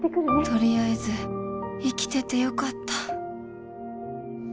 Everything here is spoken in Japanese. とりあえず生きててよかった